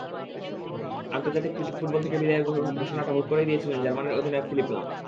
আন্তর্জাতিক ফুটবল থেকে বিদায়ের ঘোষণাটা হুট করেই দিয়েছেন জার্মানির অধিনায়ক ফিলিপ লাম।